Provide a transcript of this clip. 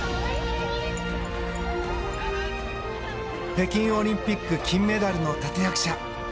北京オリンピック金メダルの立役者。